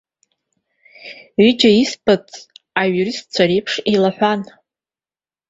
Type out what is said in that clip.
Ҩыџьа избац аиуристцәа реиԥш иеилаҳәан.